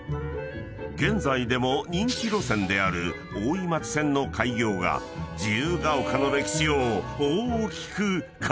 ［現在でも人気路線である大井町線の開業が自由が丘の歴史を大きく変えたのだ］